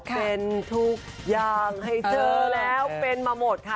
เป็นทุกอย่างให้เธอแล้วเป็นมาหมดค่ะ